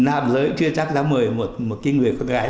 nam giới chưa chắc đã mời một người con gái